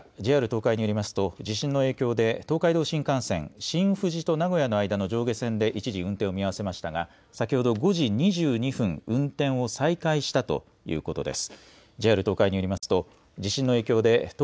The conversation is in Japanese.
ＪＲ東海によりますと、地震の影響で東海道新幹線、新富士と名古屋の間の上下線で一時運転を見合わせましたが、先ほど５時２２分、運転を再開したということです。